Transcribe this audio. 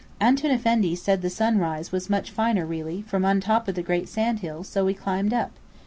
Antoun Effendi said the sunrise was much finer really, from on top of the great sandhill, so we climbed up.